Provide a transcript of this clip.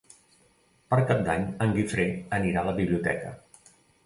Per Cap d'Any en Guifré anirà a la biblioteca.